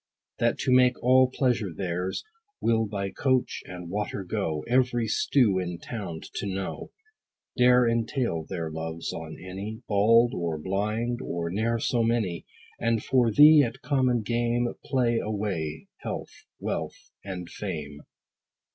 That to make all pleasure theirs, Will by coach, and water go, Every stew in town to know ; Dare entail their loves on any, 30 Bald or blind, or ne'er so many : And for thee at common game, Play away health, wealth, and fame.